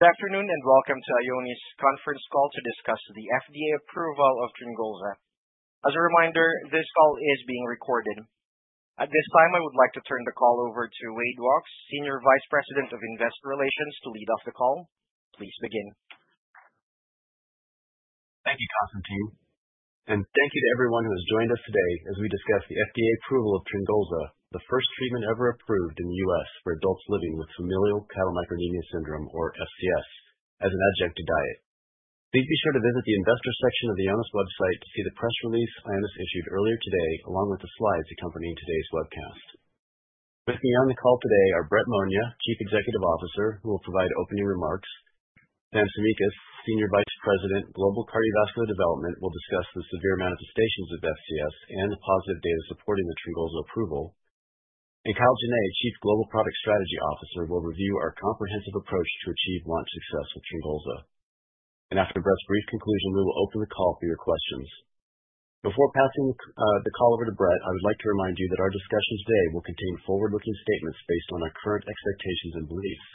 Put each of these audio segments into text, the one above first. Good afternoon and welcome to Ionis conference call to discuss the FDA approval of Tryngolza. As a reminder, this call is being recorded. At this time, I would like to turn the call over to Wade Walke, Senior Vice President of Investor Relations, to lead off the call. Please begin. Thank you, Constantine. And thank you to everyone who has joined us today as we discuss the FDA approval of Tryngolza, the first treatment ever approved in the U.S. for adults living with Familial Chylomicronemia Syndrome, or FCS, as an adjunct to diet. Please be sure to visit the Investor section of the Ionis website to see the press release Ionis issued earlier today, along with the slides accompanying today's webcast. With me on the call today are Brett Monia, Chief Executive Officer, who will provide opening remarks. Sam Tsimikas, Senior Vice President, Global Cardiovascular Development, will discuss the severe manifestations of FCS and the positive data supporting the Tryngolza approval. And Kyle Jenne, Chief Global Product Strategy Officer, will review our comprehensive approach to achieve launch success with Tryngolza. And after Brett's brief conclusion, we will open the call for your questions. Before passing the call over to Brett, I would like to remind you that our discussion today will contain forward-looking statements based on our current expectations and beliefs.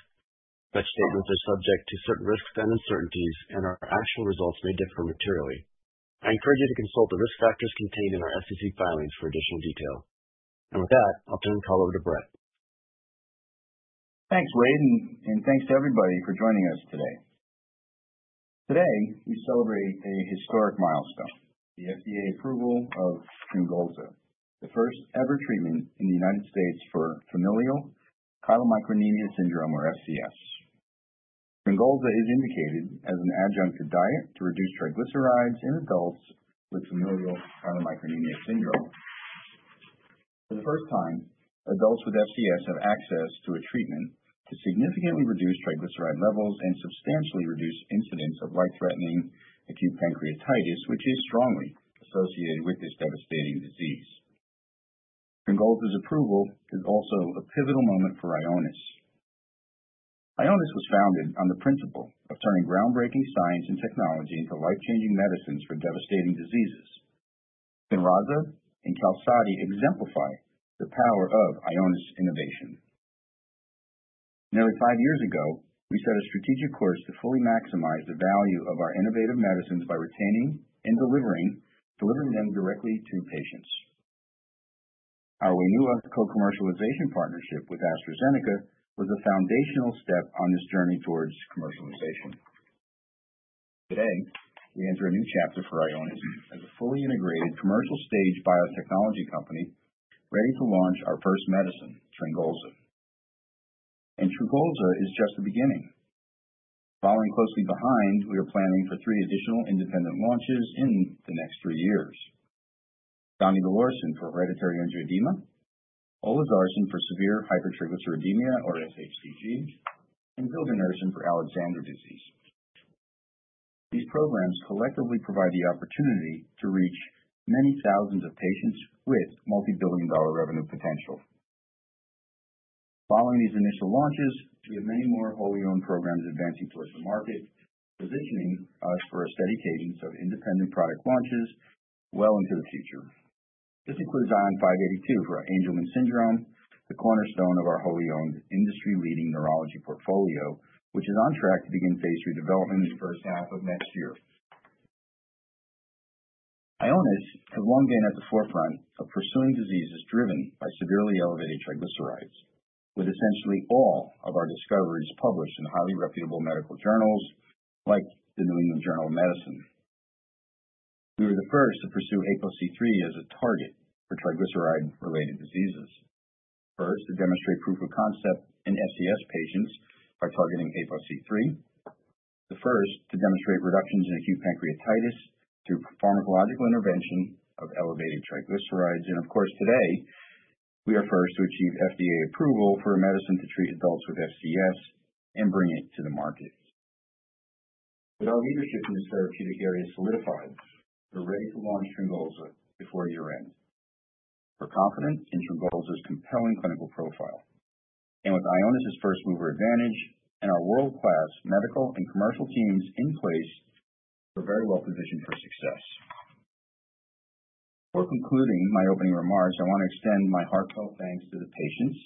Such statements are subject to certain risks and uncertainties, and our actual results may differ materially. I encourage you to consult the risk factors contained in our SEC filings for additional detail, and with that, I'll turn the call over to Brett. Thanks, Wade, and thanks to everybody for joining us today. Today, we celebrate a historic milestone: the FDA approval of Tryngolza, the first ever treatment in the United States for familial chylomicronemia syndrome, or FCS. Tryngolza is indicated as an adjunct to diet to reduce triglycerides in adults with familial chylomicronemia syndrome. For the first time, adults with FCS have access to a treatment to significantly reduce triglyceride levels and substantially reduce incidence of life-threatening acute pancreatitis, which is strongly associated with this devastating disease. Tryngolza's approval is also a pivotal moment for Ionis. Ionis was founded on the principle of turning groundbreaking science and technology into life-changing medicines for devastating diseases. Spinraza and Tegsedi exemplify the power of Ionis innovation. Nearly five years ago, we set a strategic course to fully maximize the value of our innovative medicines by retaining and delivering them directly to patients. Our Wainua co-commercialization partnership with AstraZeneca was a foundational step on this journey towards commercialization. Today, we enter a new chapter for Ionis as a fully integrated commercial stage biotechnology company ready to launch our first medicine, olezarsen, and olezarsen is just the beginning. Following closely behind, we are planning for three additional independent launches in the next three years: donidalorsen for hereditary angioedema, olezarsen for severe hypertriglyceridemia, or SHTG, and zepurenersen for Alexander disease. These programs collectively provide the opportunity to reach many thousands of patients with multi-billion dollar revenue potential. Following these initial launches, we have many more wholly owned programs advancing towards the market, positioning us for a steady cadence of independent product launches well into the future. This includes ION582 for Angelman syndrome, the cornerstone of our wholly owned industry-leading neurology portfolio, which is on track to begin phase III development in the first half of next year. Ionis has long been at the forefront of pursuing diseases driven by severely elevated triglycerides, with essentially all of our discoveries published in highly reputable medical journals like the New England Journal of Medicine. We were the first to pursue ApoC3 as a target for triglyceride-related diseases. First, to demonstrate proof of concept in FCS patients by targeting ApoC3. The first to demonstrate reductions in acute pancreatitis through pharmacological intervention of elevated triglycerides. And of course, today, we are first to achieve FDA approval for a medicine to treat adults with FCS and bring it to the market. With our leadership in this therapeutic area solidified, we're ready to launch Tryngolza before year-end. We're confident in Tryngolza's compelling clinical profile, and with Ionis's first-mover advantage and our world-class medical and commercial teams in place, we're very well positioned for success. Before concluding my opening remarks, I want to extend my heartfelt thanks to the patients,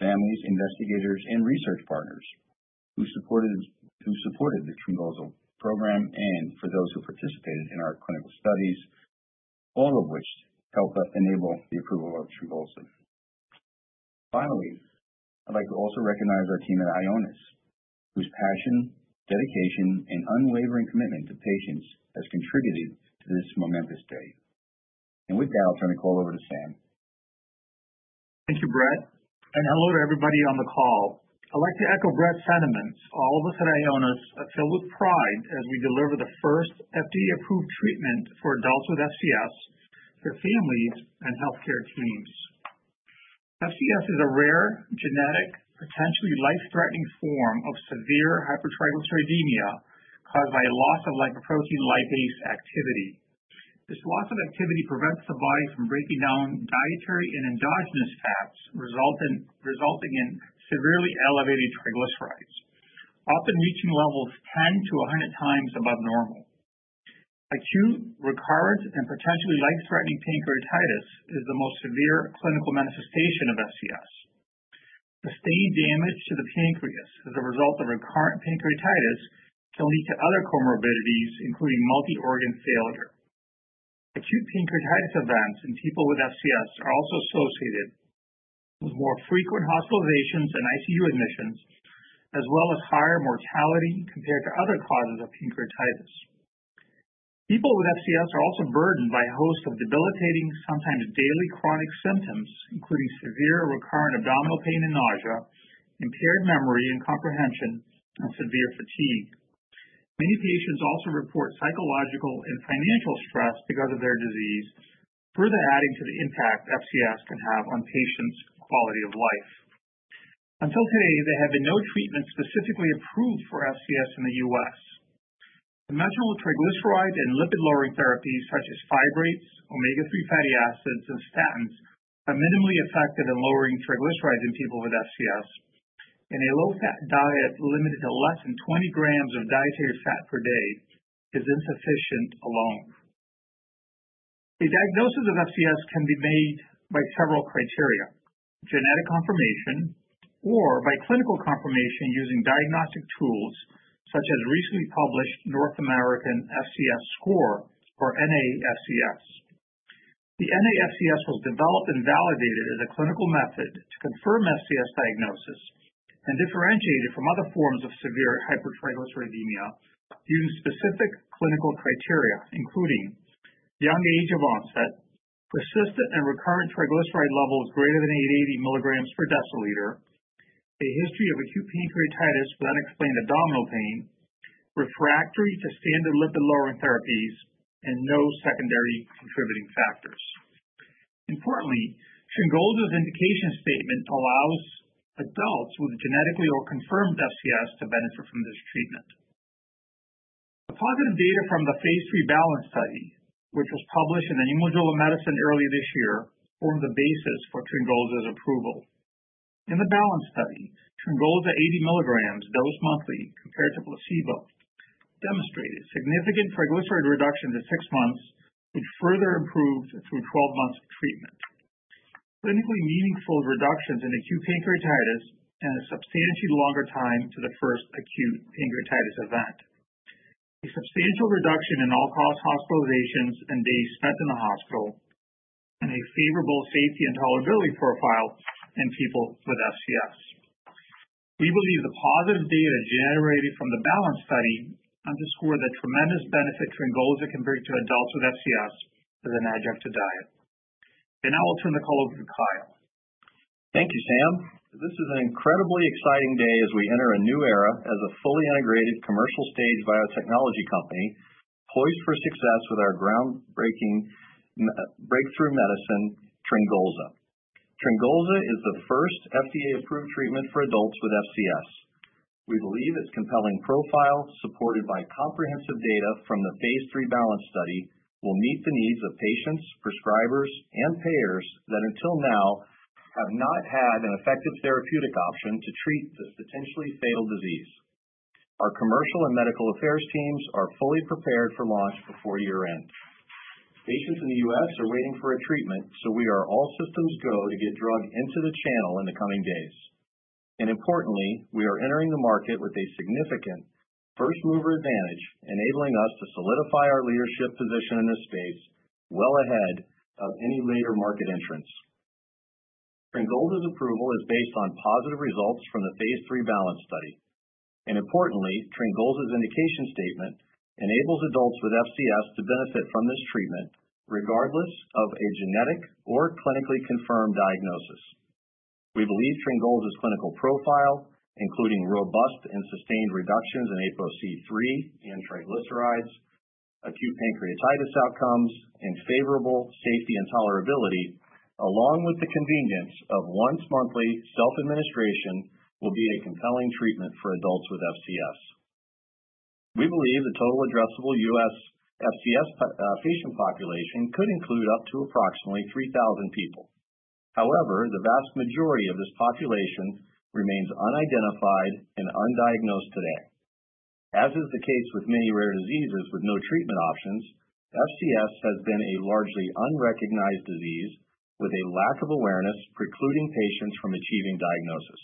families, investigators, and research partners who supported the Tryngolza program and for those who participated in our clinical studies, all of which helped enable the approval of Tryngolza. Finally, I'd like to also recognize our team at Ionis, whose passion, dedication, and unwavering commitment to patients has contributed to this momentous day, and with that, I'll turn the call over to Sam. Thank you, Brett, and hello to everybody on the call. I'd like to echo Brett's sentiments. All of us at Ionis are filled with pride as we deliver the first FDA-approved treatment for adults with FCS, their families, and healthcare teams. FCS is a rare, genetic, potentially life-threatening form of severe hypertriglyceridemia caused by a loss of lipoprotein lipase activity. This loss of activity prevents the body from breaking down dietary and endogenous fats, resulting in severely elevated triglycerides, often reaching levels 10 to 100 times above normal. Acute, recurrent, and potentially life-threatening pancreatitis is the most severe clinical manifestation of FCS. Sustained damage to the pancreas as a result of recurrent pancreatitis can lead to other comorbidities, including multi-organ failure. Acute pancreatitis events in people with FCS are also associated with more frequent hospitalizations and ICU admissions, as well as higher mortality compared to other causes of pancreatitis. People with FCS are also burdened by a host of debilitating, sometimes daily chronic symptoms, including severe recurrent abdominal pain and nausea, impaired memory and comprehension, and severe fatigue. Many patients also report psychological and financial stress because of their disease, further adding to the impact FCS can have on patients' quality of life. Until today, there have been no treatments specifically approved for FCS in the U.S. Conventional triglyceride and lipid-lowering therapies, such as fibrates, omega-3 fatty acids, and statins, are minimally effective in lowering triglycerides in people with FCS. And a low-fat diet limited to less than 20 g of dietary fat per day is insufficient alone. A diagnosis of FCS can be made by several criteria: genetic confirmation or by clinical confirmation using diagnostic tools such as recently published North American FCS Score, or FCS Foundation. The FCS Foundation was developed and validated as a clinical method to confirm FCS diagnosis and differentiate it from other forms of severe hypertriglyceridemia using specific clinical criteria, including young age of onset, persistent and recurrent triglyceride levels greater than 880 mg per deciliter, a history of acute pancreatitis with unexplained abdominal pain, refractory to standard lipid-lowering therapies, and no secondary contributing factors. Importantly, olezarsen's indication statement allows adults with genetically or confirmed FCS to benefit from this treatment. The positive data from the phase III BALANCE study, which was published in the New England Journal of Medicine early this year, formed the basis for olezarsen's approval. In the BALANCE study, olezarsen 80 mg, dosed monthly, compared to placebo, demonstrated significant triglyceride reductions in six months, which further improved through 12 months of treatment. Clinically meaningful reductions in acute pancreatitis and a substantially longer time to the first acute pancreatitis event. A substantial reduction in all-cause hospitalizations and days spent in the hospital, and a favorable safety and tolerability profile in people with FCS. We believe the positive data generated from the BALANCE study underscore the tremendous benefit Tryngolza can bring to adults with FCS as an adjunct to diet. And now I'll turn the call over to Kyle. Thank you, Sam. This is an incredibly exciting day as we enter a new era as a fully integrated commercial stage biotechnology company poised for success with our groundbreaking breakthrough medicine, Tryngolza. Tryngolza is the first FDA-approved treatment for adults with FCS. We believe its compelling profile, supported by comprehensive data from the phase III BALANCE study, will meet the needs of patients, prescribers, and payers that until now have not had an effective therapeutic option to treat this potentially fatal disease. Our commercial and medical affairs teams are fully prepared for launch before year-end. Patients in the U.S. are waiting for a treatment, so we are all systems go to get drug into the channel in the coming days, and importantly, we are entering the market with a significant first-mover advantage, enabling us to solidify our leadership position in this space well ahead of any later market entrants. olezarsen's approval is based on positive results from the phase III BALANCE study, and importantly, olezarsen's indication statement enables adults with FCS to benefit from this treatment regardless of a genetic or clinically confirmed diagnosis. We believe olezarsen's clinical profile, including robust and sustained reductions in ApoC3 and triglycerides, acute pancreatitis outcomes, and favorable safety and tolerability, along with the convenience of once-monthly self-administration, will be a compelling treatment for adults with FCS. We believe the total addressable U.S. FCS patient population could include up to approximately 3,000 people. However, the vast majority of this population remains unidentified and undiagnosed today. As is the case with many rare diseases with no treatment options, FCS has been a largely unrecognized disease with a lack of awareness precluding patients from achieving diagnosis.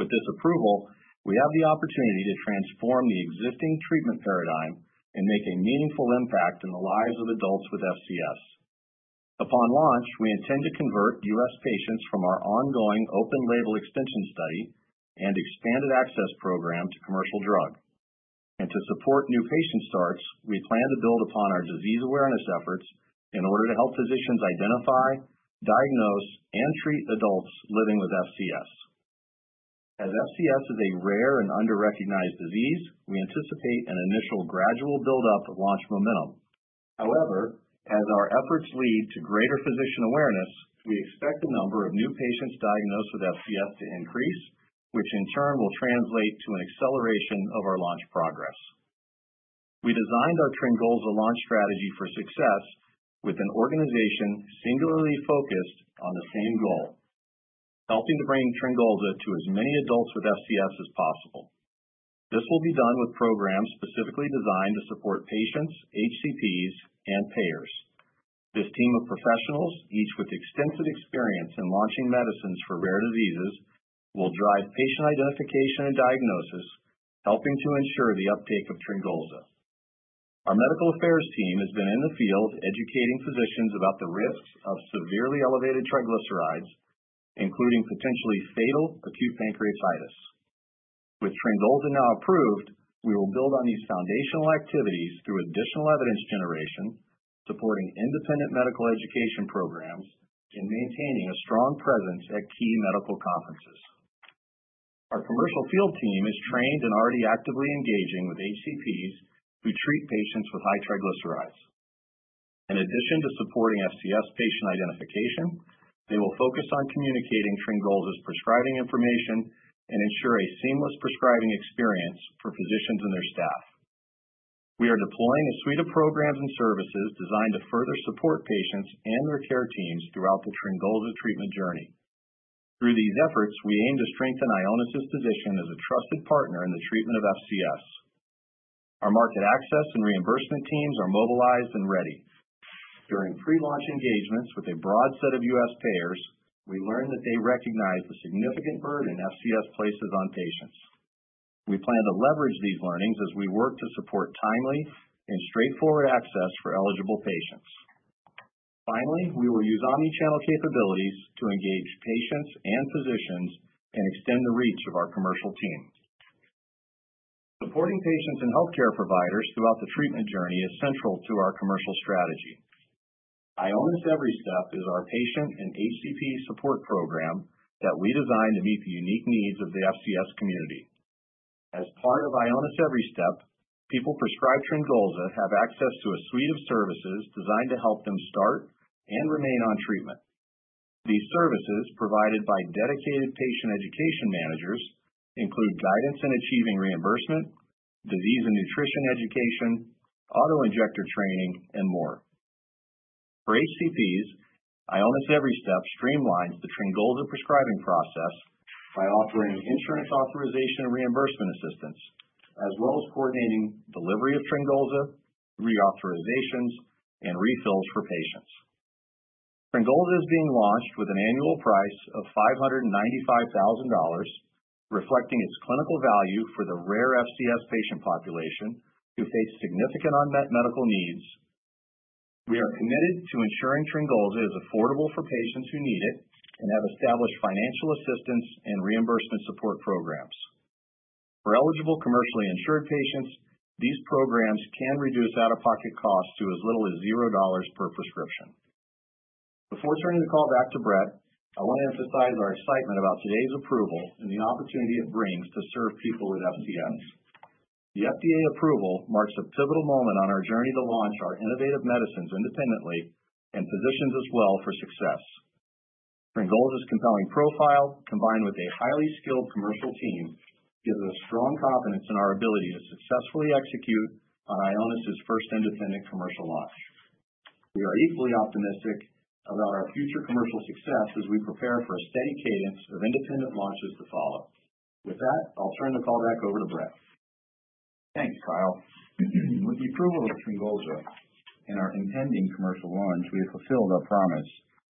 With this approval, we have the opportunity to transform the existing treatment paradigm and make a meaningful impact in the lives of adults with FCS. Upon launch, we intend to convert U.S. patients from our ongoing open-label extension study and expanded access program to commercial drug, and to support new patient starts, we plan to build upon our disease awareness efforts in order to help physicians identify, diagnose, and treat adults living with FCS. As FCS is a rare and under-recognized disease, we anticipate an initial gradual build-up of launch momentum. However, as our efforts lead to greater physician awareness, we expect the number of new patients diagnosed with FCS to increase, which in turn will translate to an acceleration of our launch progress. We designed our olezarsen launch strategy for success with an organization singularly focused on the same goal: helping to bring olezarsen to as many adults with FCS as possible. This will be done with programs specifically designed to support patients, HCPs, and payers. This team of professionals, each with extensive experience in launching medicines for rare diseases, will drive patient identification and diagnosis, helping to ensure the uptake of olezarsen. Our medical affairs team has been in the field educating physicians about the risks of severely elevated triglycerides, including potentially fatal acute pancreatitis. With olezarsen now approved, we will build on these foundational activities through additional evidence generation, supporting independent medical education programs, and maintaining a strong presence at key medical conferences. Our commercial field team is trained and already actively engaging with HCPs who treat patients with high triglycerides. In addition to supporting FCS patient identification, they will focus on communicating Tryngolza's prescribing information and ensure a seamless prescribing experience for physicians and their staff. We are deploying a suite of programs and services designed to further support patients and their care teams throughout the Tryngolza treatment journey. Through these efforts, we aim to strengthen Ionis's position as a trusted partner in the treatment of FCS. Our market access and reimbursement teams are mobilized and ready. During pre-launch engagements with a broad set of U.S. payers, we learned that they recognize the significant burden FCS places on patients. We plan to leverage these learnings as we work to support timely and straightforward access for eligible patients. Finally, we will use omnichannel capabilities to engage patients and physicians and extend the reach of our commercial team. Supporting patients and healthcare providers throughout the treatment journey is central to our commercial strategy. Ionis EveryStep is our patient and HCP support program that we designed to meet the unique needs of the FCS community. As part of Ionis EveryStep, people prescribed Tryngolza have access to a suite of services designed to help them start and remain on treatment. These services, provided by dedicated patient education managers, include guidance in achieving reimbursement, disease and nutrition education, autoinjector training, and more. For HCPs, Ionis EveryStep streamlines the Tryngolza prescribing process by offering insurance authorization and reimbursement assistance, as well as coordinating delivery of Tryngolza, reauthorizations, and refills for patients. Tryngolza is being launched with an annual price of $595,000, reflecting its clinical value for the rare FCS patient population who face significant unmet medical needs. We are committed to ensuring Tryngolza is affordable for patients who need it and have established financial assistance and reimbursement support programs. For eligible commercially insured patients, these programs can reduce out-of-pocket costs to as little as $0 per prescription. Before turning the call back to Brett, I want to emphasize our excitement about today's approval and the opportunity it brings to serve people with FCS. The FDA approval marks a pivotal moment on our journey to launch our innovative medicines independently and positions us well for success. Tryngolza's compelling profile, combined with a highly skilled commercial team, gives us strong confidence in our ability to successfully execute on Ionis's first independent commercial launch. We are equally optimistic about our future commercial success as we prepare for a steady cadence of independent launches to follow. With that, I'll turn the call back over to Brett. Thanks, Kyle. With the approval of olezarsen and our impending commercial launch, we have fulfilled our promise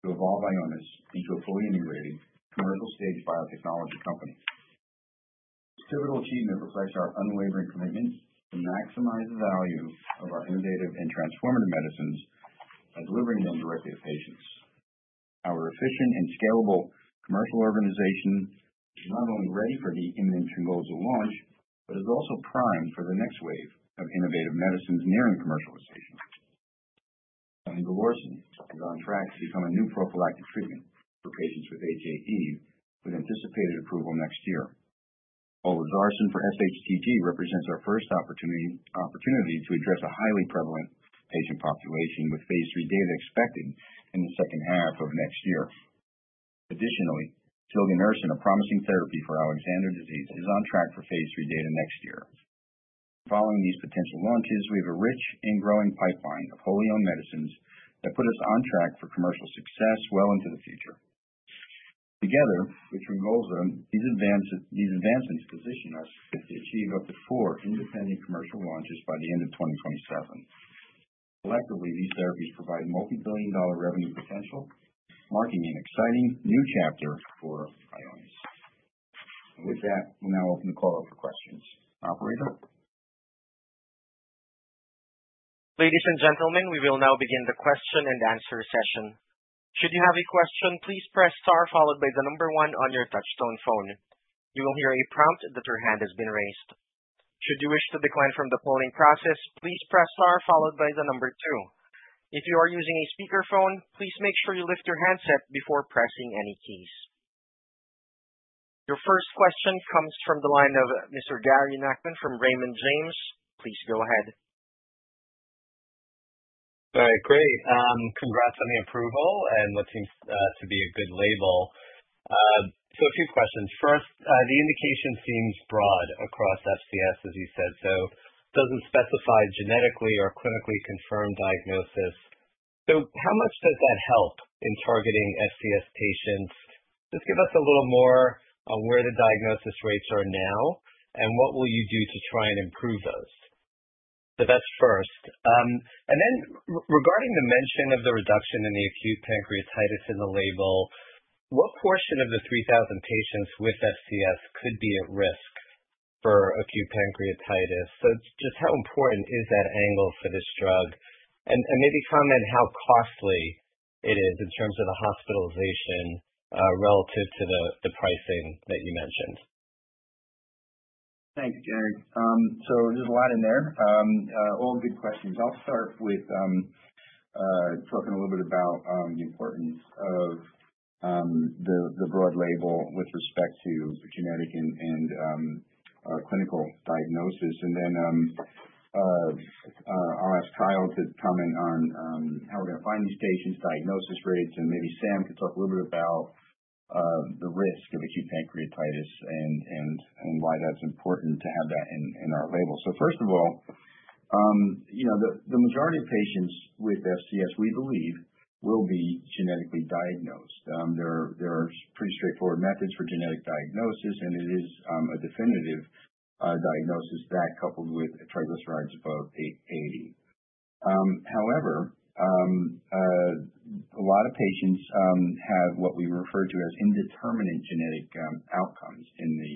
to evolve Ionis into a fully integrated commercial stage biotechnology company. This pivotal achievement reflects our unwavering commitment to maximize the value of our innovative and transformative medicines by delivering them directly to patients. Our efficient and scalable commercial organization is not only ready for the imminent olezarsen launch but is also primed for the next wave of innovative medicines nearing commercialization. Donidalorsen is on track to become a new prophylactic treatment for patients with HAE with anticipated approval next year. olezarsen for SHTG represents our first opportunity to address a highly prevalent patient population with phase III data expected in the second half of next year. Additionally, zepurenersen, a promising therapy for Alexander disease, is on track for phase III data next year. Following these potential launches, we have a rich and growing pipeline of wholly owned medicines that put us on track for commercial success well into the future. Together with olezarsen, these advancements position us to achieve up to four independent commercial launches by the end of 2027. Collectively, these therapies provide multi-billion dollar revenue potential, marking an exciting new chapter for Ionis. And with that, we'll now open the call up for questions. Operator. Ladies and gentlemen, we will now begin the question and answer session. Should you have a question, please press star followed by the number one on your touch-tone phone. You will hear a prompt that your hand has been raised. Should you wish to decline from the polling process, please press star followed by the number two. If you are using a speakerphone, please make sure you lift your handset before pressing any keys. Your first question comes from the line of Mr. Gary Nachman from Raymond James. Please go ahead. All right. Great. Congrats on the approval and what seems to be a good label. So a few questions. First, the indication seems broad across FCS, as you said. So it doesn't specify genetically or clinically confirmed diagnosis. So how much does that help in targeting FCS patients? Just give us a little more on where the diagnosis rates are now, and what will you do to try and improve those? So that's first. And then regarding the mention of the reduction in the acute pancreatitis in the label, what portion of the 3,000 patients with FCS could be at risk for acute pancreatitis? So just how important is that angle for this drug? And maybe comment how costly it is in terms of the hospitalization relative to the pricing that you mentioned. Thank you, Gary. So there's a lot in there. All good questions. I'll start with talking a little bit about the importance of the broad label with respect to genetic and clinical diagnosis. And then I'll ask Kyle to comment on how we're going to find these patients, diagnosis rates, and maybe Sam could talk a little bit about the risk of acute pancreatitis and why that's important to have that in our label. So first of all, the majority of patients with FCS, we believe, will be genetically diagnosed. There are pretty straightforward methods for genetic diagnosis, and it is a definitive diagnosis that coupled with triglycerides above 80. However, a lot of patients have what we refer to as indeterminate genetic outcomes in the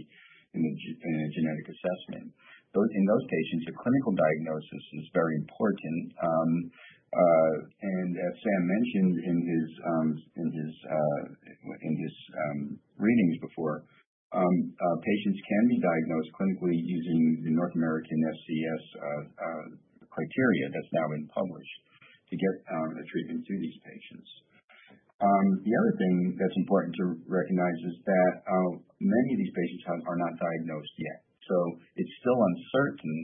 genetic assessment. In those patients, a clinical diagnosis is very important. As Sam mentioned in his readings before, patients can be diagnosed clinically using the North American FCS criteria that's now been published to get a treatment to these patients. The other thing that's important to recognize is that many of these patients are not diagnosed yet. It's still uncertain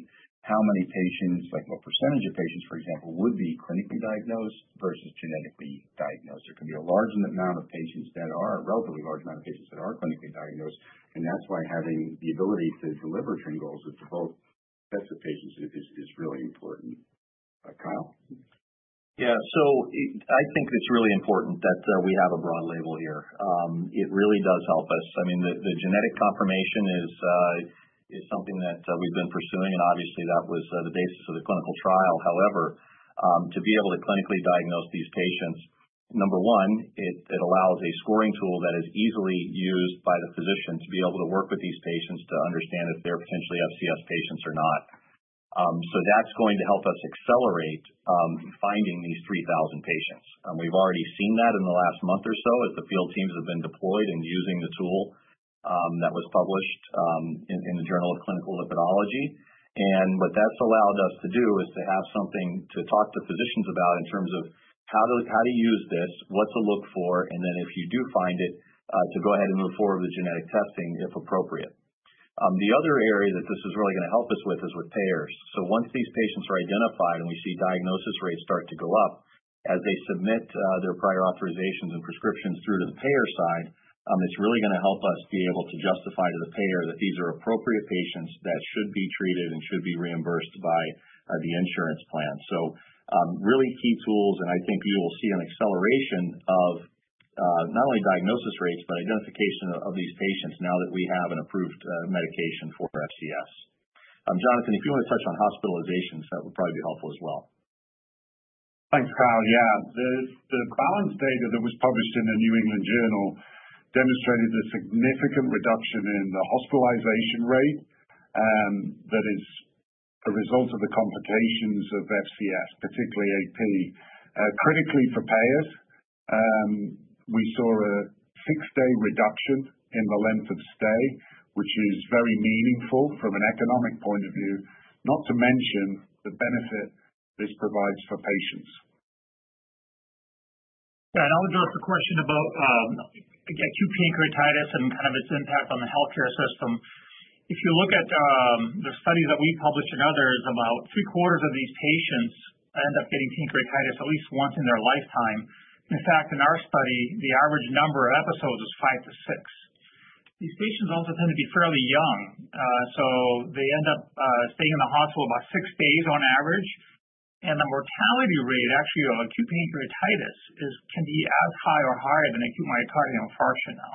how many patients, like what percentage of patients, for example, would be clinically diagnosed versus genetically diagnosed. There can be a large amount of patients that are a relatively large amount of patients that are clinically diagnosed. That's why having the ability to deliver Tryngolza to both sets of patients is really important. Kyle? Yeah. So I think it's really important that we have a broad label here. It really does help us. I mean, the genetic confirmation is something that we've been pursuing, and obviously, that was the basis of the clinical trial. However, to be able to clinically diagnose these patients, number one, it allows a scoring tool that is easily used by the physician to be able to work with these patients to understand if they're potentially FCS patients or not. So that's going to help us accelerate finding these 3,000 patients. We've already seen that in the last month or so as the field teams have been deployed and using the tool that was published in the Journal of Clinical Lipidology. What that's allowed us to do is to have something to talk to physicians about in terms of how to use this, what to look for, and then if you do find it, to go ahead and move forward with genetic testing if appropriate. The other area that this is really going to help us with is with payers. Once these patients are identified and we see diagnosis rates start to go up as they submit their prior authorizations and prescriptions through to the payer side, it's really going to help us be able to justify to the payer that these are appropriate patients that should be treated and should be reimbursed by the insurance plan. Really key tools, and I think you will see an acceleration of not only diagnosis rates but identification of these patients now that we have an approved medication for FCS. Jonathan, if you want to touch on hospitalizations, that would probably be helpful as well. Thanks, Kyle. Yeah. The BALANCE data that was published in the New England Journal demonstrated the significant reduction in the hospitalization rate that is a result of the complications of FCS, particularly AP. Critically for payers, we saw a six-day reduction in the length of stay, which is very meaningful from an economic point of view, not to mention the benefit this provides for patients. Yeah. And I'll address the question about acute pancreatitis and kind of its impact on the healthcare system. If you look at the studies that we published and others, about three-quarters of these patients end up getting pancreatitis at least once in their lifetime. In fact, in our study, the average number of episodes was five to six. These patients also tend to be fairly young, so they end up staying in the hospital about six days on average. And the mortality rate actually of acute pancreatitis can be as high or higher than acute myocardial infarction now,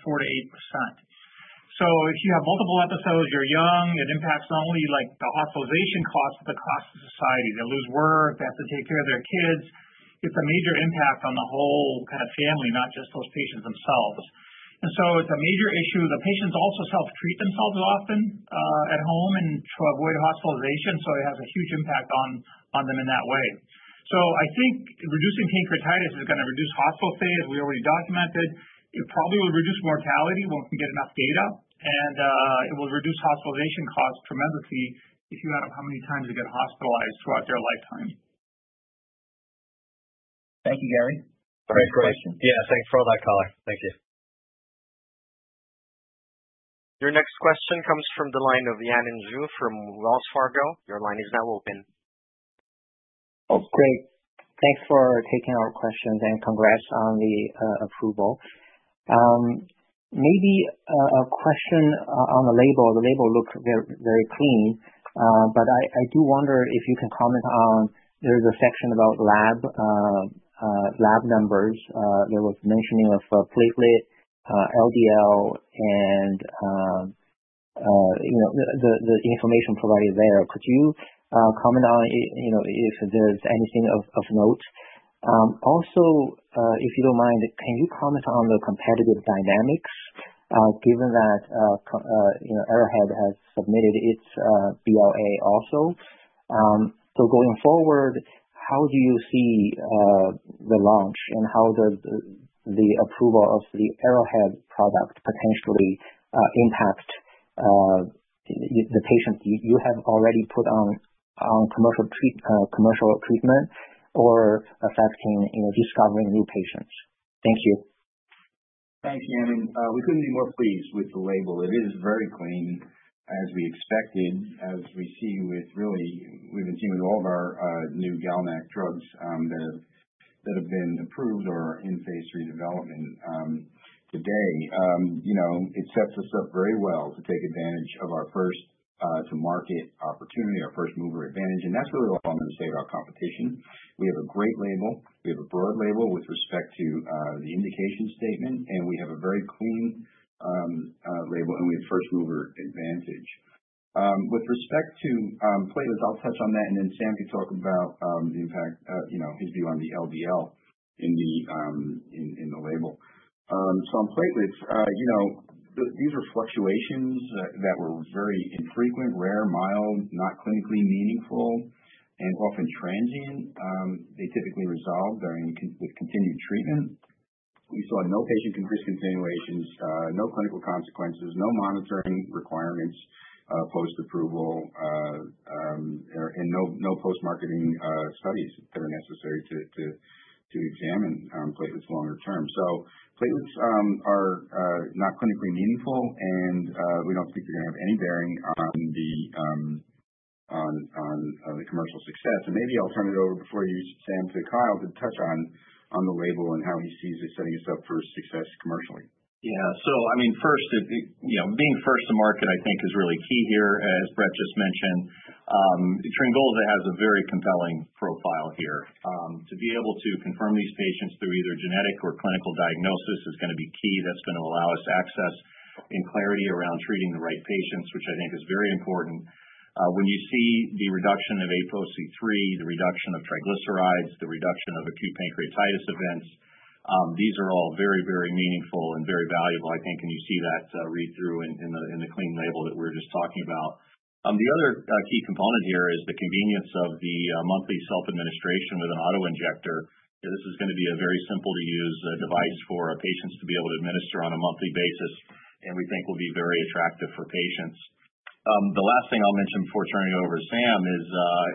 4%-8%. So if you have multiple episodes, you're young, it impacts not only the hospitalization cost, but the cost to society. They lose work, they have to take care of their kids. It's a major impact on the whole kind of family, not just those patients themselves. It's a major issue. The patients also self-treat themselves often at home and try to avoid hospitalization, so it has a huge impact on them in that way. I think reducing pancreatitis is going to reduce hospital stays. We already documented. It probably will reduce mortality when we can get enough data, and it will reduce hospitalization costs tremendously if you add up how many times they get hospitalized throughout their lifetime. Thank you, Gary. Great question. Yeah. Thanks for all that color. Thank you. Your next question comes from the line of Yanan Zhu from Wells Fargo. Your line is now open. Oh, great. Thanks for taking our questions and congrats on the approval. Maybe a question on the label. The label looked very clean, but I do wonder if you can comment on. There's a section about lab numbers. There was mentioning of platelet, LDL, and the information provided there. Could you comment on if there's anything of note? Also, if you don't mind, can you comment on the competitive dynamics given that Arrowhead has submitted its BLA also? So going forward, how do you see the launch and how the approval of the Arrowhead product potentially impacts the patients you have already put on commercial treatment or affecting discovering new patients? Thank you. Thanks, Yanan. We couldn't be more pleased with the label. It is very clean, as we expected, as we see with really we've been seeing with all of our new GalNAc drugs that have been approved or are in phase III development today. It sets us up very well to take advantage of our first-to-market opportunity, our first-mover advantage, and that's really all I'm going to say about competition. We have a great label. We have a broad label with respect to the indication statement, and we have a very clean label, and we have first-mover advantage. With respect to platelets, I'll touch on that, and then Sam can talk about the impact, his view on the LDL in the label, so on platelets, these are fluctuations that were very infrequent, rare, mild, not clinically meaningful, and often transient. They typically resolve with continued treatment. We saw no patient risk attenuations, no clinical consequences, no monitoring requirements post-approval, and no post-marketing studies that are necessary to examine platelets longer term. So platelets are not clinically meaningful, and we don't think they're going to have any bearing on the commercial success. And maybe I'll turn it over before you, Sam, to Kyle to touch on the label and how he sees it setting us up for success commercially. Yeah. So I mean, first, being first-to-market, I think, is really key here, as Brett just mentioned. Tryngolza has a very compelling profile here. To be able to confirm these patients through either genetic or clinical diagnosis is going to be key. That's going to allow us access and clarity around treating the right patients, which I think is very important. When you see the reduction of ApoC3, the reduction of triglycerides, the reduction of acute pancreatitis events, these are all very, very meaningful and very valuable, I think, and you see that read-through in the clean label that we're just talking about. The other key component here is the convenience of the monthly self-administration with an autoinjector. This is going to be a very simple-to-use device for patients to be able to administer on a monthly basis, and we think will be very attractive for patients. The last thing I'll mention before turning it over to Sam is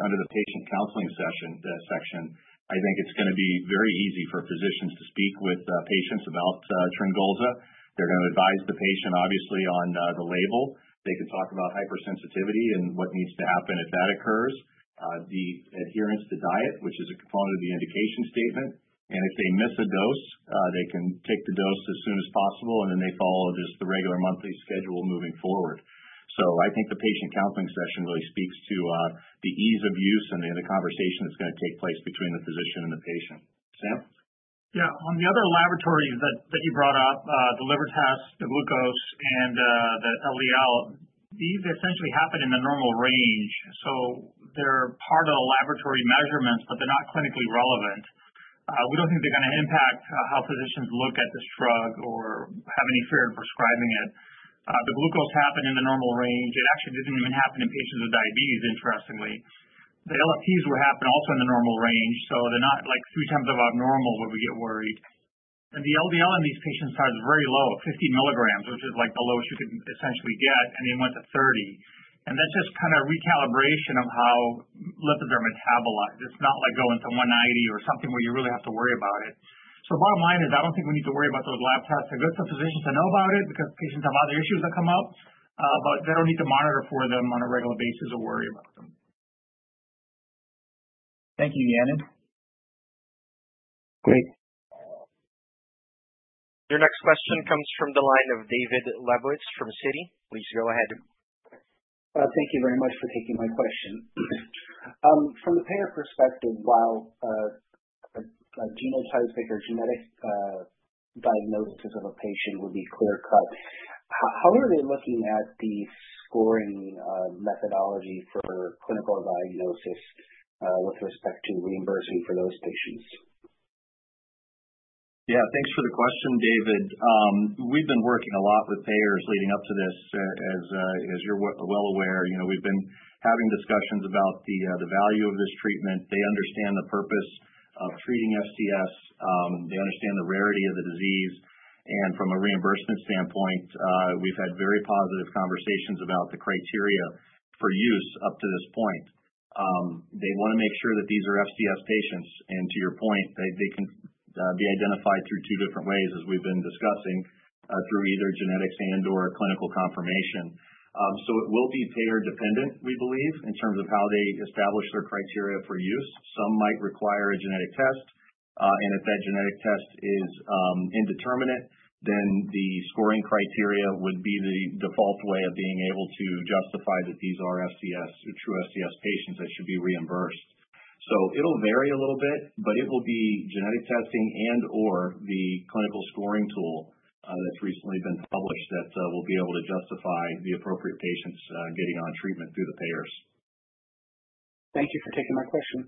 under the patient counseling section. I think it's going to be very easy for physicians to speak with patients about olezarsen. They're going to advise the patient, obviously, on the label. They can talk about hypersensitivity and what needs to happen if that occurs, the adherence to diet, which is a component of the indication statement. If they miss a dose, they can take the dose as soon as possible, and then they follow just the regular monthly schedule moving forward. I think the patient counseling session really speaks to the ease of use and the conversation that's going to take place between the physician and the patient. Sam? Yeah. On the other laboratories that you brought up, the liver test, the glucose, and the LDL, these essentially happen in the normal range. So they're part of the laboratory measurements, but they're not clinically relevant. We don't think they're going to impact how physicians look at this drug or have any fear in prescribing it. The glucose happened in the normal range. It actually didn't even happen in patients with diabetes, interestingly. The LFTs were happening also in the normal range, so they're not like three times above normal where we get worried, and the LDL in these patients started very low at 50 mg, which is like the lowest you could essentially get, and they went to 30, and that's just kind of recalibration of how lipids are metabolized. It's not like going to 190 or something where you really have to worry about it. Bottom line is I don't think we need to worry about those lab tests. They're good for physicians to know about it because patients have other issues that come up, but they don't need to monitor for them on a regular basis or worry about them. Thank you, Yanan. Great. Your next question comes from the line of David Lebowitz from Citi. Please go ahead. Thank you very much for taking my question. From the payer perspective, while a genotype or genetic diagnosis of a patient would be clear-cut, how are they looking at the scoring methodology for clinical diagnosis with respect to reimbursing for those patients? Yeah. Thanks for the question, David. We've been working a lot with payers leading up to this. As you're well aware, we've been having discussions about the value of this treatment. They understand the purpose of treating FCS. They understand the rarity of the disease. And from a reimbursement standpoint, we've had very positive conversations about the criteria for use up to this point. They want to make sure that these are FCS patients. And to your point, they can be identified through two different ways, as we've been discussing, through either genetics and/or clinical confirmation. So it will be payer-dependent, we believe, in terms of how they establish their criteria for use. Some might require a genetic test. And if that genetic test is indeterminate, then the scoring criteria would be the default way of being able to justify that these are FCS or true FCS patients that should be reimbursed. So it'll vary a little bit, but it will be genetic testing and/or the clinical scoring tool that's recently been published that will be able to justify the appropriate patients getting on treatment through the payers. Thank you for taking my question.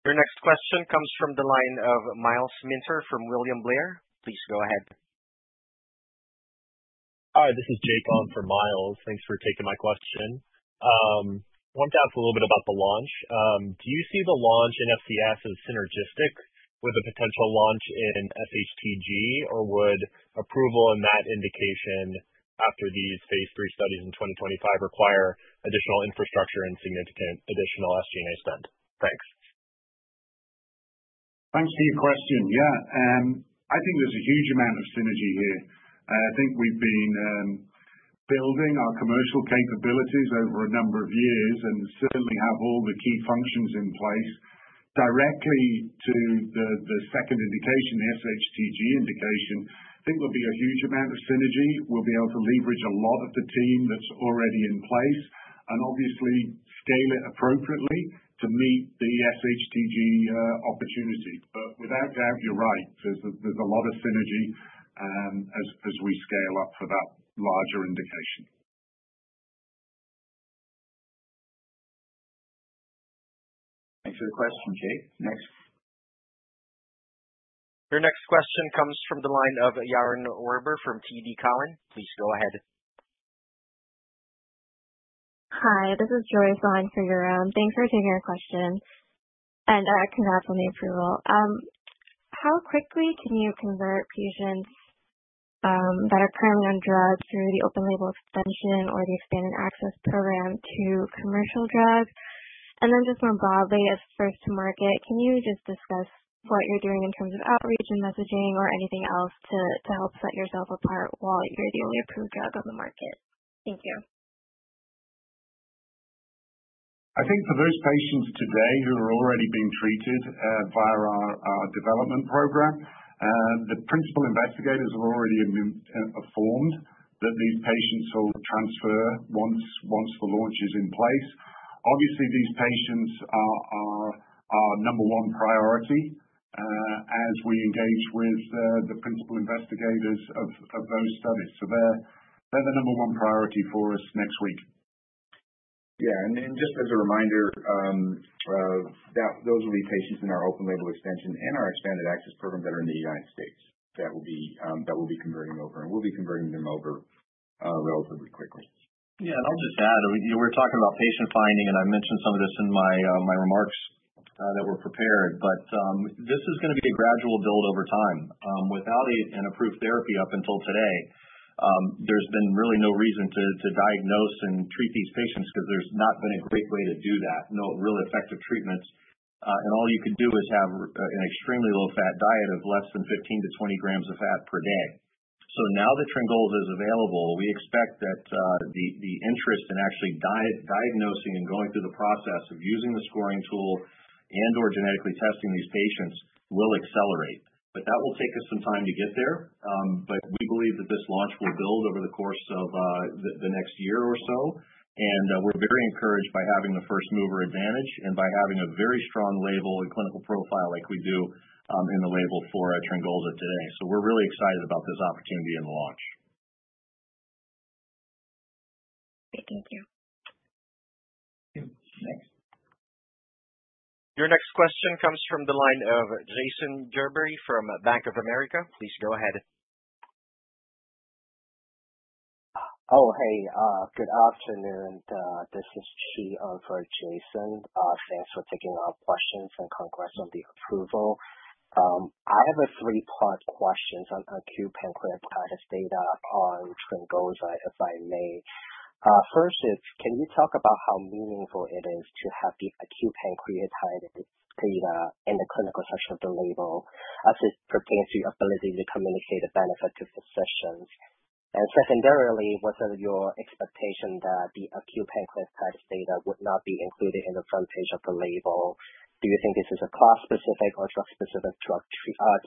Your next question comes from the line of Myles Minter from William Blair. Please go ahead. Hi. This is Jake on for Myles. Thanks for taking my question. I wanted to ask a little bit about the launch. Do you see the launch in FCS as synergistic with a potential launch in SHTG, or would approval in that indication after these phase III studies in 2025 require additional infrastructure and significant additional SG&A spend? Thanks. Thanks for your question. Yeah. I think there's a huge amount of synergy here. I think we've been building our commercial capabilities over a number of years and certainly have all the key functions in place. Directly to the second indication, the SHTG indication, I think there'll be a huge amount of synergy. We'll be able to leverage a lot of the team that's already in place and obviously scale it appropriately to meet the SHTG opportunity. But without doubt, you're right. There's a lot of synergy as we scale up for that larger indication. Thanks for the question, Jake. Next. Your next question comes from the line of Yaron Werber from TD Cowen. Please go ahead. Hi. This is Joyce on for Yaron. Thanks for taking our question and congrats on the approval. How quickly can you convert patients that are currently on drugs through the open label extension or the expanded access program to commercial drugs? And then just more broadly, as first-to-market, can you just discuss what you're doing in terms of outreach and messaging or anything else to help set yourself apart while you're the only approved drug on the market? Thank you. I think for those patients today who are already being treated via our development program, the principal investigators have already informed that these patients will transfer once the launch is in place. Obviously, these patients are our number one priority as we engage with the principal investigators of those studies. So they're the number one priority for us next week. Yeah, and just as a reminder, those will be patients in our open-label extension and our expanded access program that are in the United States that we'll be converting over, and we'll be converting them over relatively quickly. Yeah, and I'll just add, we were talking about patient finding, and I mentioned some of this in my remarks that were prepared, but this is going to be a gradual build over time. Without an approved therapy up until today, there's been really no reason to diagnose and treat these patients because there's not been a great way to do that, no really effective treatments. All you could do is have an extremely low-fat diet of less than 15-20 g of fat per day. Now that Tryngolza is available, we expect that the interest in actually diagnosing and going through the process of using the scoring tool and/or genetically testing these patients will accelerate. That will take us some time to get there. We believe that this launch will build over the course of the next year or so. We're very encouraged by having the first-mover advantage and by having a very strong label and clinical profile like we do in the label for Tryngolza today. We're really excited about this opportunity and the launch. Great. Thank you. Your next question comes from the line of Jason Gerberry from Bank of America. Please go ahead. Oh, hey. Good afternoon. This is Chi on for Jason. Thanks for taking our questions and congrats on the approval. I have a three-part question on acute pancreatitis data on Tryngolza, if I may. First is, can you talk about how meaningful it is to have the acute pancreatitis data in the clinical section of the label as it pertains to your ability to communicate the benefit to physicians? And secondarily, what are your expectations that the acute pancreatitis data would not be included in the front page of the label? Do you think this is a class-specific or drug-specific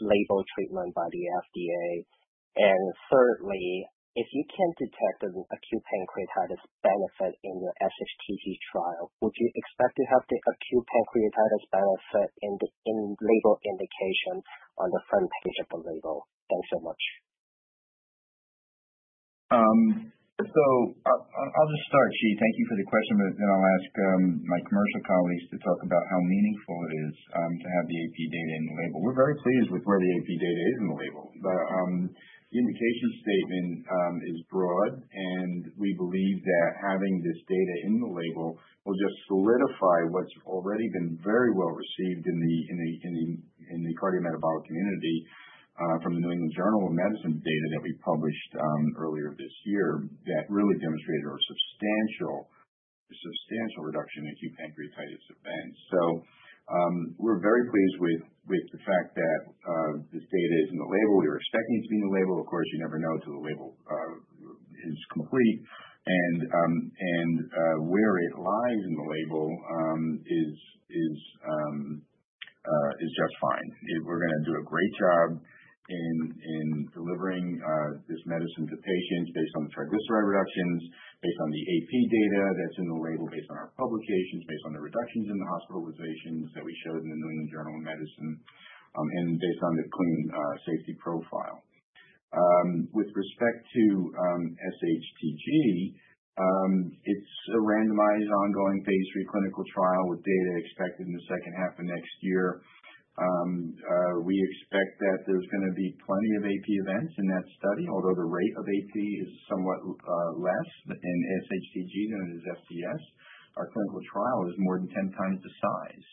label treatment by the FDA? And thirdly, if you can't detect an acute pancreatitis benefit in your SHTG trial, would you expect to have the acute pancreatitis benefit in label indication on the front page of the label? Thanks so much. I'll just start, Chi. Thank you for the question, but then I'll ask my commercial colleagues to talk about how meaningful it is to have the AP data in the label. We're very pleased with where the AP data is in the label. The indication statement is broad, and we believe that having this data in the label will just solidify what's already been very well received in the cardiometabolic community from the New England Journal of Medicine data that we published earlier this year that really demonstrated a substantial reduction in acute pancreatitis events, so we're very pleased with the fact that this data is in the label. We were expecting it to be in the label. Of course, you never know until the label is complete, and where it lies in the label is just fine. We're going to do a great job in delivering this medicine to patients based on the triglyceride reductions, based on the AP data that's in the label, based on our publications, based on the reductions in the hospitalizations that we showed in the New England Journal of Medicine, and based on the clean safety profile. With respect to SHTG, it's a randomized ongoing phase III clinical trial with data expected in the second half of next year. We expect that there's going to be plenty of AP events in that study. Although the rate of AP is somewhat less in SHTG than it is FCS, our clinical trial is more than 10 times the size.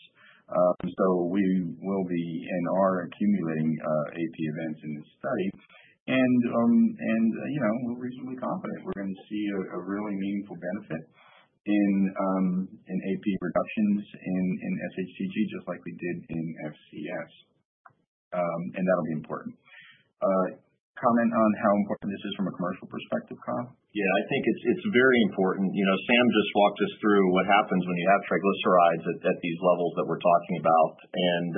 So we will be and are accumulating AP events in this study. And we're reasonably confident we're going to see a really meaningful benefit in AP reductions in SHTG just like we did in FCS. and that'll be important. Comment on how important this is from a commercial perspective, Kyle? Yeah. I think it's very important. Sam just walked us through what happens when you have triglycerides at these levels that we're talking about. And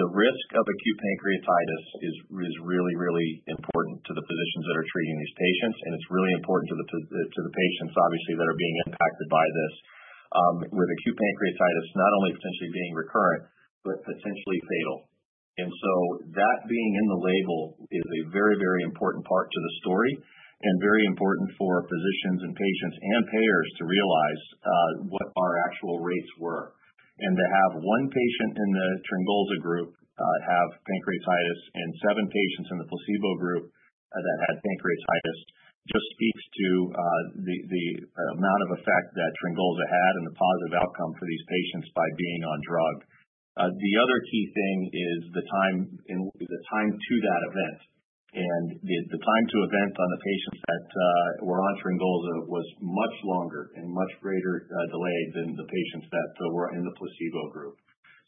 the risk of acute pancreatitis is really, really important to the physicians that are treating these patients. And it's really important to the patients, obviously, that are being impacted by this, with acute pancreatitis not only potentially being recurrent, but potentially fatal. And so that being in the label is a very, very important part to the story and very important for physicians and patients and payers to realize what our actual rates were. And to have one patient in the olezarsen group have pancreatitis and seven patients in the placebo group that had pancreatitis just speaks to the amount of effect that olezarsen had and the positive outcome for these patients by being on drug. The other key thing is the time to that event. And the time to event on the patients that were on olezarsen was much longer and much greater delay than the patients that were in the placebo group.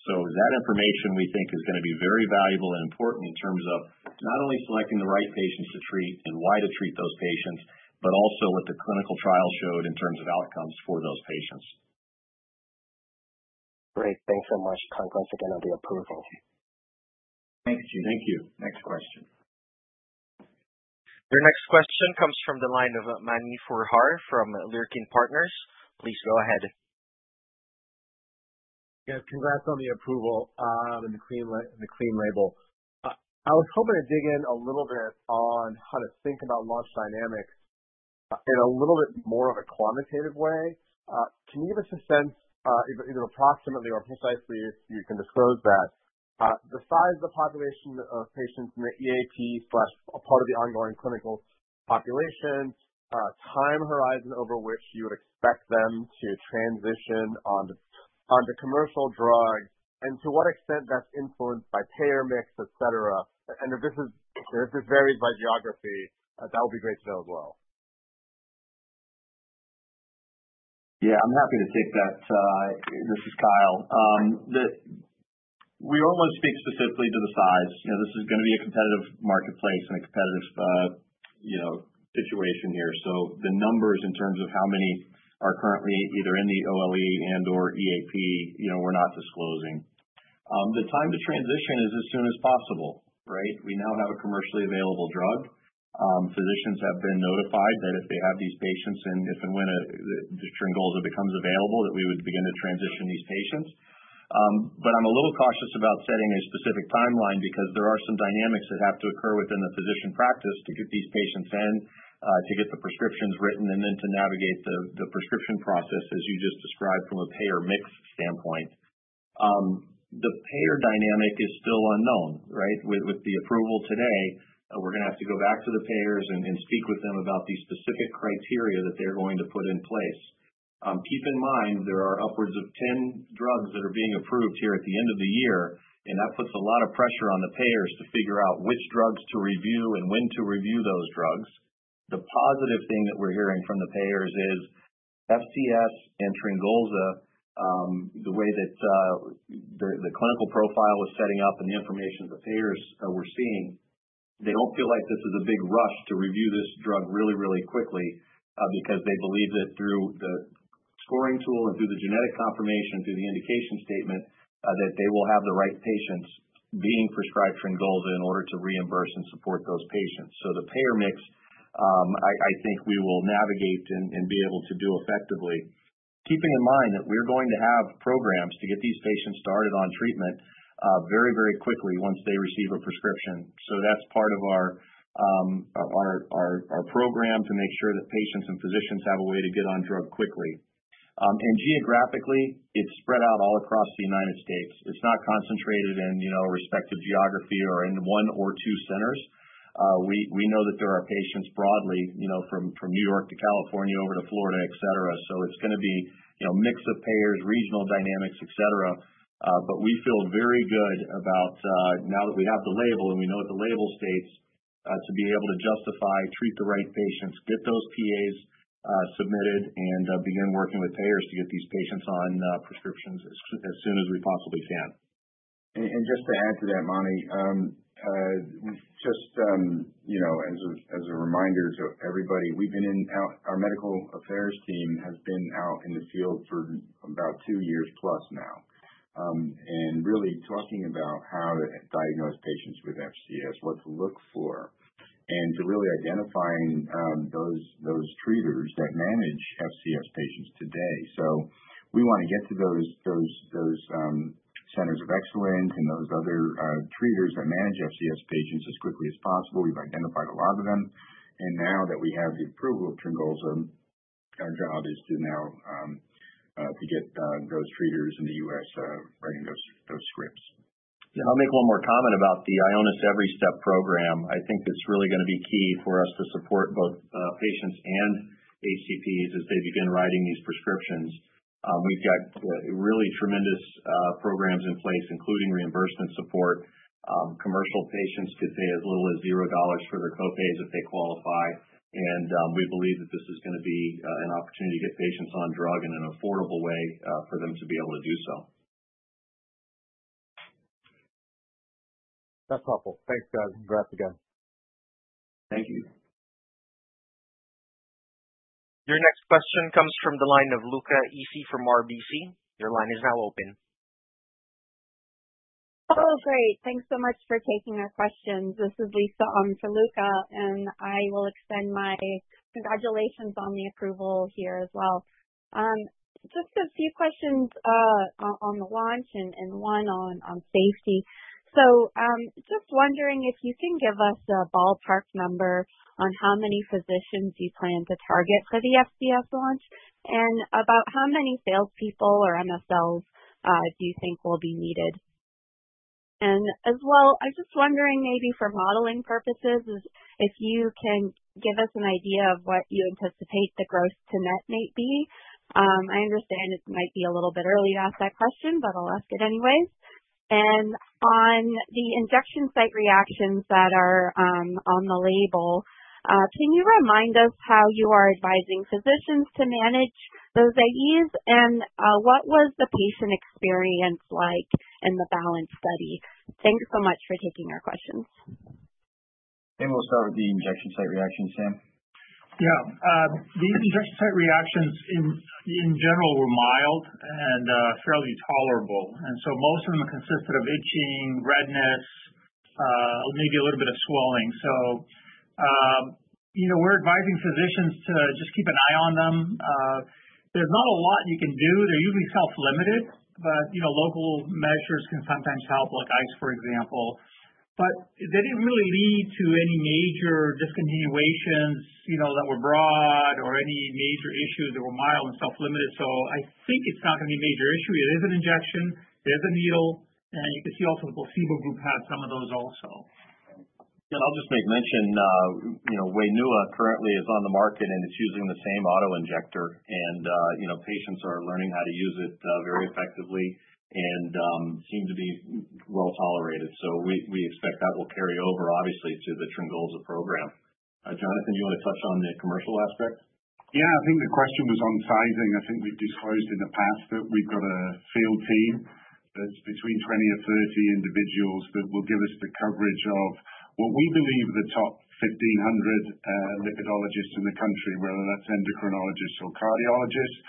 So that information, we think, is going to be very valuable and important in terms of not only selecting the right patients to treat and why to treat those patients, but also what the clinical trial showed in terms of outcomes for those patients. Great. Thanks so much, Kyle. Once again, on the approval. Thanks, Chi. Thank you. Next question. Your next question comes from the line of Mani Foroohar from Leerink Partners. Please go ahead. Yeah. Congrats on the approval and the clean label. I was hoping to dig in a little bit on how to think about launch dynamics in a little bit more of a quantitative way. Can you give us a sense, either approximately or precisely, if you can disclose that, the size of the population of patients in the EAP/part of the ongoing clinical population, time horizon over which you would expect them to transition onto commercial drugs, and to what extent that's influenced by payer mix, etc.? And if this varies by geography, that would be great to know as well. Yeah. I'm happy to take that. This is Kyle. We don't want to speak specifically to the size. This is going to be a competitive marketplace and a competitive situation here. So the numbers in terms of how many are currently either in the OLE and/or EAP, we're not disclosing. The time to transition is as soon as possible, right? We now have a commercially available drug. Physicians have been notified that if they have these patients and if and when the Tryngolza becomes available, that we would begin to transition these patients. But I'm a little cautious about setting a specific timeline because there are some dynamics that have to occur within the physician practice to get these patients in, to get the prescriptions written, and then to navigate the prescription process, as you just described, from a payer mix standpoint. The payer dynamic is still unknown, right? With the approval today, we're going to have to go back to the payers and speak with them about these specific criteria that they're going to put in place. Keep in mind, there are upwards of 10 drugs that are being approved here at the end of the year, and that puts a lot of pressure on the payers to figure out which drugs to review and when to review those drugs. The positive thing that we're hearing from the payers is FCS and Tryngolza, the way that the clinical profile was setting up and the information that the payers were seeing. They don't feel like this is a big rush to review this drug really, really quickly because they believe that through the scoring tool and through the genetic confirmation, through the indication statement, that they will have the right patients being prescribed Tryngolza in order to reimburse and support those patients. The payer mix, I think we will navigate and be able to do effectively, keeping in mind that we're going to have programs to get these patients started on treatment very, very quickly once they receive a prescription. That's part of our program to make sure that patients and physicians have a way to get on drug quickly. And geographically, it's spread out all across the United States. It's not concentrated in a respective geography or in one or two centers. We know that there are patients broadly from New York to California over to Florida, etc. So it's going to be a mix of payers, regional dynamics, etc. But we feel very good about now that we have the label and we know what the label states, to be able to justify, treat the right patients, get those PAs submitted, and begin working with payers to get these patients on prescriptions as soon as we possibly can. Just to add to that, Mani, just as a reminder to everybody, our medical affairs team has been out in the field for about two years plus now and really talking about how to diagnose patients with FCS, what to look for, and to really identifying those treaters that manage FCS patients today. So we want to get to those centers of excellence and those other treaters that manage FCS patients as quickly as possible. We've identified a lot of them. Now that we have the approval of Tryngolza, our job is now to get those treaters in the U.S. writing those scripts. Yeah. I'll make one more comment about the Ionis EveryStep program. I think it's really going to be key for us to support both patients and HCPs as they begin writing these prescriptions. We've got really tremendous programs in place, including reimbursement support. Commercial patients could pay as little as $0 for their co-pays if they qualify. And we believe that this is going to be an opportunity to get patients on drug in an affordable way for them to be able to do so. That's helpful. Thanks, guys. Congrats again. Thank you. Your next question comes from the line of Luca Issi from RBC. Your line is now open. Oh, great. Thanks so much for taking our questions. This is Lisa for Luca, and I will extend my congratulations on the approval here as well. Just a few questions on the launch and one on safety, so just wondering if you can give us a ballpark number on how many physicians you plan to target for the FCS launch and about how many salespeople or MSLs do you think will be needed, and as well, I'm just wondering maybe for modeling purposes if you can give us an idea of what you anticipate the gross to net may be. I understand it might be a little bit early to ask that question, but I'll ask it anyways, and on the injection site reactions that are on the label, can you remind us how you are advising physicians to manage those AEs? And what was the patient experience like in the BALANCE study? Thanks so much for taking our questions. We'll start with the injection site reactions, Sam. Yeah. The injection site reactions in general were mild and fairly tolerable. And so most of them consisted of itching, redness, maybe a little bit of swelling. So we're advising physicians to just keep an eye on them. There's not a lot you can do. They're usually self-limited, but local measures can sometimes help, like ice, for example. But they didn't really lead to any major discontinuations that were broad or any major issues. They were mild and self-limited. So I think it's not going to be a major issue. It is an injection. It is a needle. And you can see also the placebo group has some of those also. Yeah. And I'll just make mention Wainua currently is on the market, and it's using the same autoinjector. And patients are learning how to use it very effectively and seem to be well tolerated. So we expect that will carry over, obviously, to the Tryngolza program. Jonathan, do you want to touch on the commercial aspect? Yeah. I think the question was on sizing. I think we've disclosed in the past that we've got a field team that's between 20 and 30 individuals that will give us the coverage of what we believe the top 1,500 lipidologists in the country, whether that's endocrinologists or cardiologists.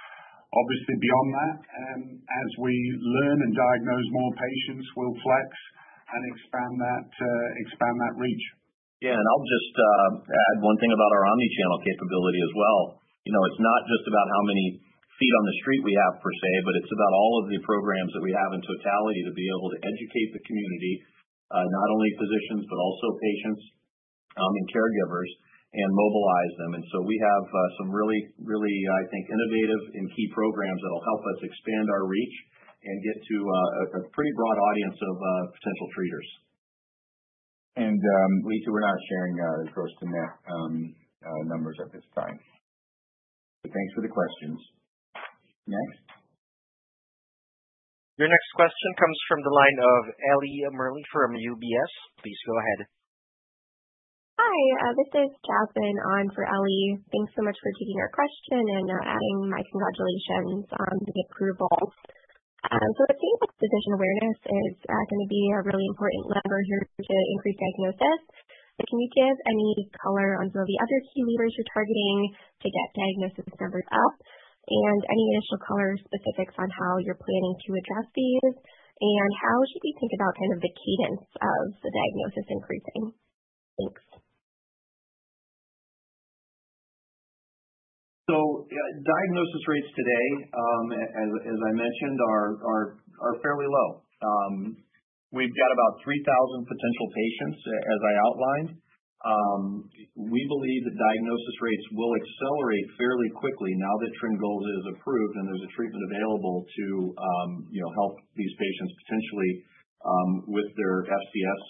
Obviously, beyond that, as we learn and diagnose more patients, we'll flex and expand that reach. Yeah. And I'll just add one thing about our omnichannel capability as well. It's not just about how many feet on the street we have per se, but it's about all of the programs that we have in totality to be able to educate the community, not only physicians, but also patients and caregivers, and mobilize them. And so we have some really, really, I think, innovative and key programs that'll help us expand our reach and get to a pretty broad audience of potential treaters. Lisa, we're not sharing the gross to net numbers at this time. Thanks for the questions. Next. Your next question comes from the line of Ellie Merle from UBS. Please go ahead. Hi. This is Jasmine on for Ellie. Thanks so much for taking our question and adding my congratulations on the approval. So it seems like physician awareness is going to be a really important lever here to increase diagnosis. Can you give any color on some of the other key leaders you're targeting to get diagnosis numbers up? And any additional color specifics on how you're planning to address these? And how should we think about kind of the cadence of the diagnosis increasing? Thanks. So diagnosis rates today, as I mentioned, are fairly low. We've got about 3,000 potential patients, as I outlined. We believe that diagnosis rates will accelerate fairly quickly now that Tryngolza is approved and there's a treatment available to help these patients potentially with their FCS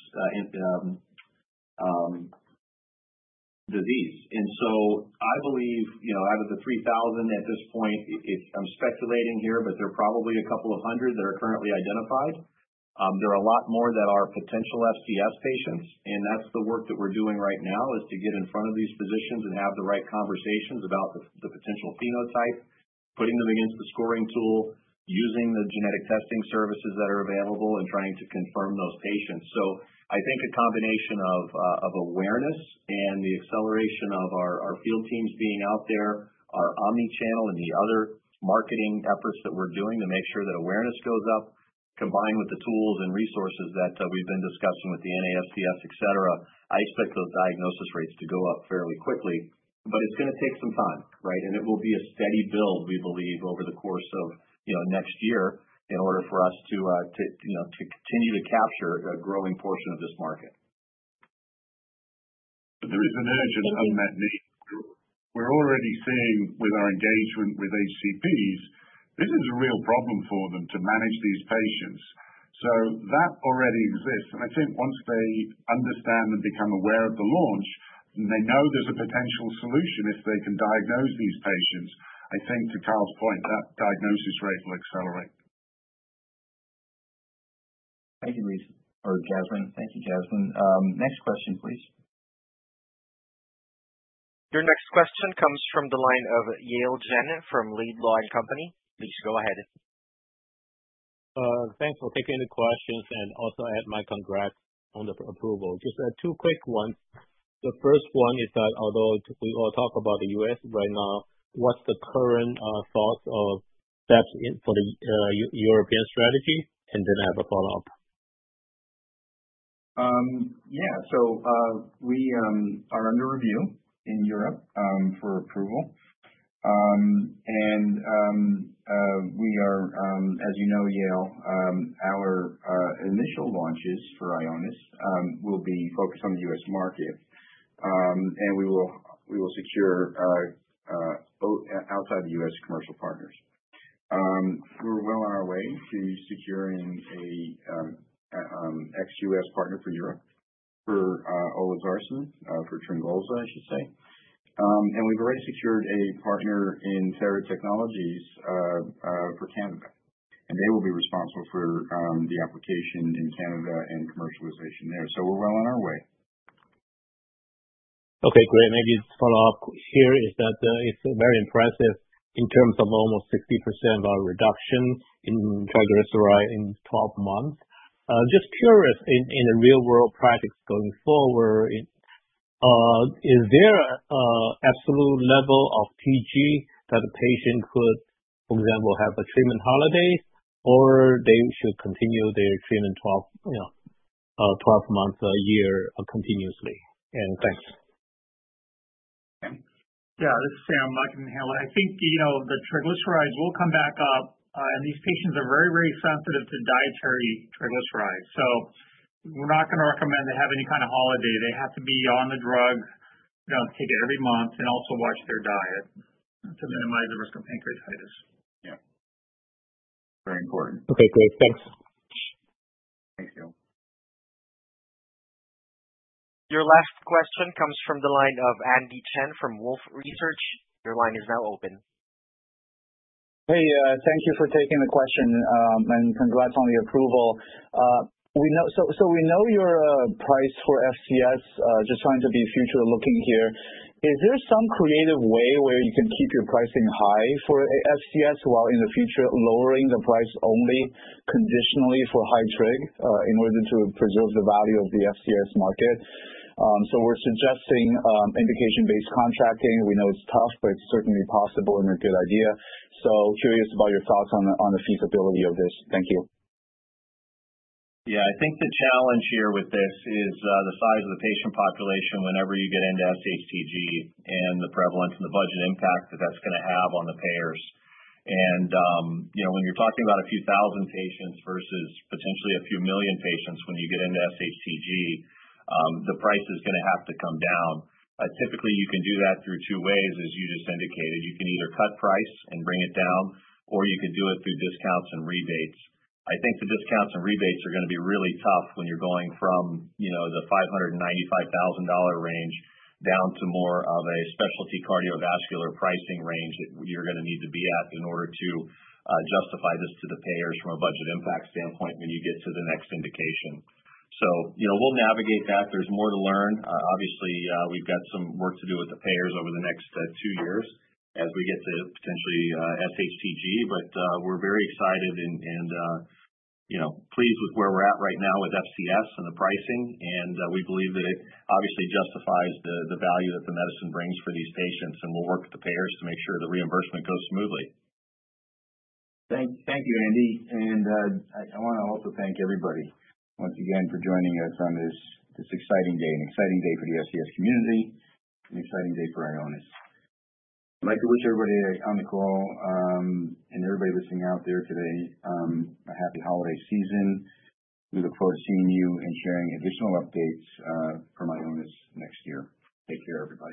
disease. And so I believe out of the 3,000 at this point, I'm speculating here, but there are probably a couple of hundred that are currently identified. There are a lot more that are potential FCS patients. And that's the work that we're doing right now is to get in front of these physicians and have the right conversations about the potential phenotype, putting them against the scoring tool, using the genetic testing services that are available, and trying to confirm those patients. So I think a combination of awareness and the acceleration of our field teams being out there, our omnichannel, and the other marketing efforts that we're doing to make sure that awareness goes up, combined with the tools and resources that we've been discussing with the FCS Foundation, etc., I expect those diagnosis rates to go up fairly quickly. But it's going to take some time, right? And it will be a steady build, we believe, over the course of next year in order for us to continue to capture a growing portion of this market. But there is an urgent unmet need. We're already seeing with our engagement with HCPs, this is a real problem for them to manage these patients. So that already exists. And I think once they understand and become aware of the launch and they know there's a potential solution if they can diagnose these patients, I think to Kyle's point, that diagnosis rate will accelerate. Thank you, Lisa, or Jasmine. Thank you, Jasmine. Next question, please. Your next question comes from the line of Yale Jen from Laidlaw and Company. Please, go ahead. Thanks for taking the questions and also add my congrats on the approval. Just two quick ones. The first one is that although we all talk about the U.S. right now, what's the current thoughts of steps for the European strategy? And then I have a follow-up. Yeah. So we are under review in Europe for approval. And we are, as you know, Yale, our initial launches for Ionis will be focused on the U.S. market. And we will secure outside the U.S. commercial partners. We're well on our way to securing an ex-U.S. partner for Europe, for olezarsen, for Tryngolza, I should say. And we've already secured a partner in Theratechnologies for Canada. And they will be responsible for the application in Canada and commercialization there. So we're well on our way. Okay. Great. Maybe a follow-up here is that it's very impressive in terms of almost 60% reduction in triglycerides in 12 months. Just curious, in the real-world practice going forward, is there an absolute level of TG that a patient could, for example, have a treatment holiday, or they should continue their treatment 12 months, a year, continuously? And thanks. Yeah. This is Sam, my comment to Yale. I think the triglycerides will come back up. And these patients are very, very sensitive to dietary triglycerides. So we're not going to recommend they have any kind of holiday. They have to be on the drug, take it every month, and also watch their diet to minimize the risk of pancreatitis. Yeah. Very important. Okay. Great. Thanks. Your last question comes from the line of Andy Chen from Wolfe Research. Your line is now open. Hey, thank you for taking the question. And congrats on the approval. So we know your price for FCS, just trying to be future-looking here. Is there some creative way where you can keep your pricing high for FCS while in the future lowering the price only conditionally for high trig in order to preserve the value of the FCS market? So we're suggesting indication-based contracting. We know it's tough, but it's certainly possible and a good idea. So curious about your thoughts on the feasibility of this. Thank you. Yeah. I think the challenge here with this is the size of the patient population whenever you get into SHTG and the prevalence and the budget impact that that's going to have on the payers, and when you're talking about a few thousand patients versus potentially a few million patients when you get into SHTG, the price is going to have to come down. Typically, you can do that through two ways, as you just indicated. You can either cut price and bring it down, or you can do it through discounts and rebates. I think the discounts and rebates are going to be really tough when you're going from the $595,000 range down to more of a specialty cardiovascular pricing range that you're going to need to be at in order to justify this to the payers from a budget impact standpoint when you get to the next indication. So we'll navigate that. There's more to learn. Obviously, we've got some work to do with the payers over the next two years as we get to potentially SHTG. But we're very excited and pleased with where we're at right now with FCS and the pricing. And we believe that it obviously justifies the value that the medicine brings for these patients. And we'll work with the payers to make sure the reimbursement goes smoothly. Thank you, Andy. And I want to also thank everybody once again for joining us on this exciting day, an exciting day for the FCS community, an exciting day for Ionis. I'd like to wish everybody on the call and everybody listening out there today a happy holiday season. We look forward to seeing you and sharing additional updates from Ionis next year. Take care, everybody.